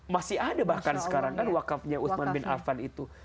masih ada bahkan sekarang kan wakafnya usman bin afan itu